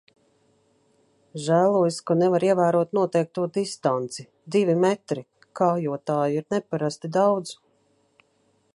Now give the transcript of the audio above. Žēlojas, ka nevar ievērot noteikto distanci – divi metri, kājotāju ir neparasti daudz.